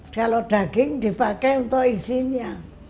kalau daging dipakai untuk isinya